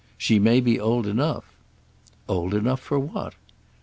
She may be old enough." "Old enough for what?"